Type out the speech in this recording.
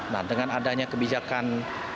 nah dengan adanya kebijakan